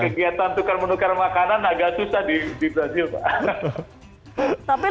kegiatan tukar menukar makanan agak susah di brazil pak